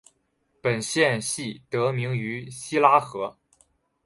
本县系得名于希拉河。